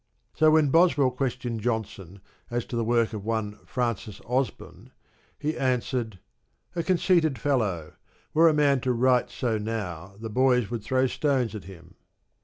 So when Boswell questioned Johnson as to the work of one Francis Osborne, he answered "A conceited fellow. Were a man to write so now the boys would throw stones at him."